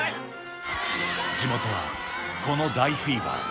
地元は、この大フィーバー。